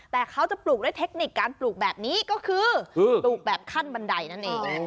แต่เขาจะปลูกด้วยเทคนิคการปลูกแบบนี้ก็คือปลูกแบบขั้นบันไดนั่นเอง